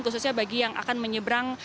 khususnya bagi yang akan menyeberang